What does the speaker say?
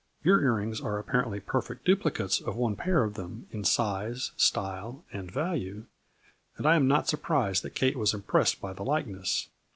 Your ear rings are apparently per fect duplicates of one pair of them, in size, style and value, and I am not surprised that Kate was impressed by the likeness.